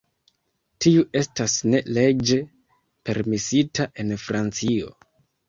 Tiu estas ne leĝe permesita en Francio.